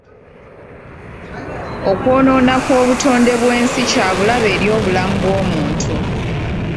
Okwonoona kw'obutonde bw'ensi kya bulabe eri obulamu bw'omuntu.